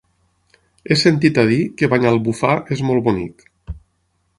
He sentit a dir que Banyalbufar és molt bonic.